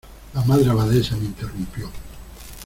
la Madre Abadesa me interrumpió: